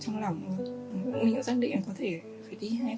cũng trong lòng mình cũng chắc định là có thể phải đi hai tháng